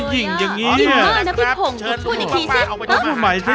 หญิงจังเลยอ่ะดีมากนะพี่ข่งพูดอีกทีสิพูดใหม่สิ